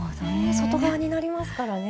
外側になりますからね。